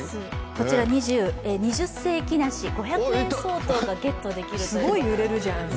こちら二十世紀梨５００円相当がゲットできるそうです。